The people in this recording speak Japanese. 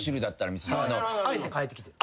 あえて変えてきてる？